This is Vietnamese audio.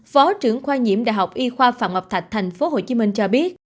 phó trưởng khoa nhiễm đại học y khoa phạm ngọc thạch thành phố hồ chí minh cho biết